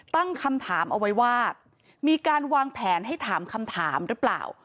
ตั้งคำถามเอาไว้ว่ามีการวางแผนให้ถามคำถามหรือเปล่า